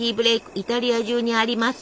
イタリア中にあります。